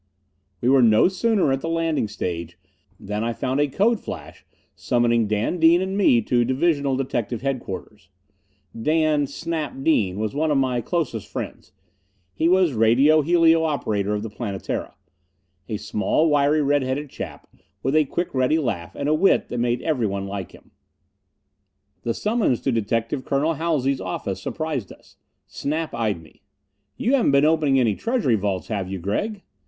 We were no sooner at the landing stage than I found a code flash summoning Dan Dean and me to Divisional Detective Headquarters. Dan "Snap" Dean was one of my closest friends. He was radio helio operator of the Planetara. A small, wiry, red headed chap, with a quick, ready laugh and a wit that made everyone like him. The summons to Detective Colonel Halsey's office surprised us. Snap eyed me. "You haven't been opening any treasury vaults, have you, Gregg?"